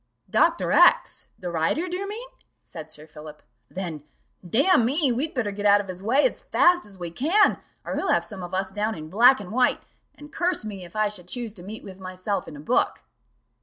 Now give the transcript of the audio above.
"Dr. X the writer, do you mean?" said Sir Philip; "then, damn me, we'd better get out of his way as fast as we can, or he'll have some of us down in black and white; and curse me, if I should choose to meet with myself in a book."